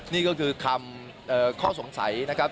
นี่ก็คือคำข้อสงสัยนะครับ